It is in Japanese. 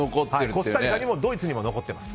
コスタリカにもドイツにも残ってます。